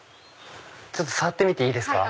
ちょっと触ってみていいですか？